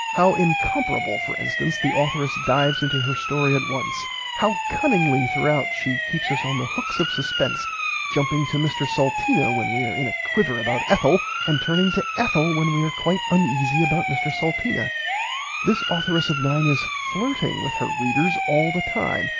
How incomparably, for instance, the authoress dives [Pg xi] into her story at once. How cunningly throughout she keeps us on the hooks of suspense, jumping to Mr Salteena when we are in a quiver about Ethel, and turning to Ethel when we are quite uneasy about Mr Salteena. This authoress of nine is flirting with her readers all the time.